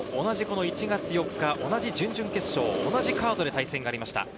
前回大会も１月４日、同じ準々決勝、同じカードで対戦がありました。